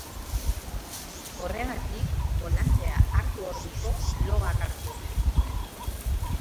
Horregatik, bolantea hartu orduko loak hartu omen zuen.